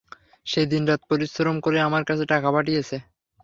সে দিনরাত পরিশ্রম করে আমার কাছে টাকা পাঠিয়েছে।